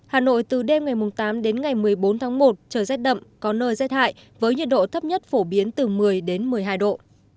hà nội từ đêm ngày tám đến ngày một mươi bốn tháng một trời rét đậm có nơi rét hại với nhiệt độ thấp nhất phổ biến từ một mươi đến một mươi hai độ